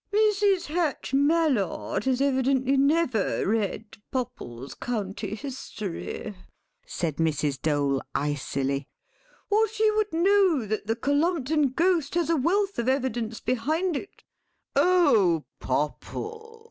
"Mrs. Hatch Mallard has evidently never read Popple's County History," said Mrs. Dole icily, "or she would know that the Cullumpton ghost has a wealth of evidence behind it—" "Oh, Popple!"